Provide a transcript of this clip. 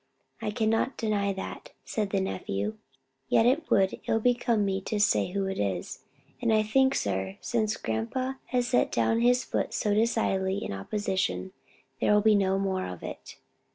"I can not deny that," said the nephew, "yet it would ill become me to say who it is; and I think, sir, since grandpa has set down his foot so decidedly in opposition, there will be no more of it.